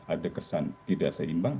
ada kesan tidak seimbang